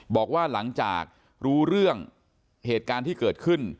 บอกว่าหลังจากรู้เรื่องเหตุการณ์ที่เกิดขึ้น